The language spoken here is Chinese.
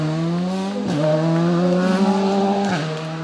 对称矩阵中的右上至左下方向元素以主对角线为轴进行对称。